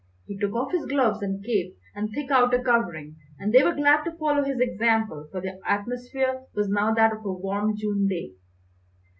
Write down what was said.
He took off his gloves and cape and thick outer covering, and they were glad to follow his example for the atmosphere was now that of a warm June day.